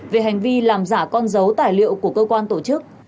về hành vi làm giả con dấu tài liệu của cơ quan tổ chức